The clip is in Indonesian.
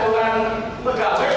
karena memang agama pun dibahas